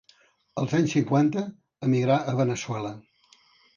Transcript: Els anys cinquanta emigrà a Veneçuela.